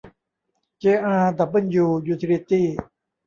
เจ อาร์ ดับเบิ้ลยู ยูทิลิตี้